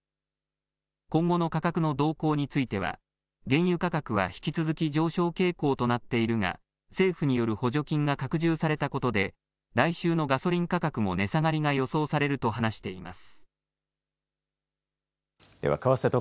今後の価格の動向については、原油価格は引き続き上昇傾向となっているが、政府による補助金が拡充されたことで、来週のガソリン価格も値下がりが予想されると話しています。